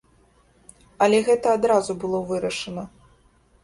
Але гэта адразу было вырашана.